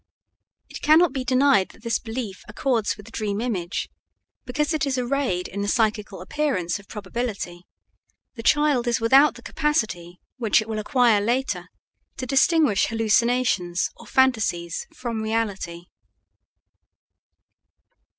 It cannot be denied that this belief accords with the dream image, because it is arrayed in the psychical appearance of probability; the child is without the capacity which it will acquire later to distinguish hallucinations or phantasies from reality.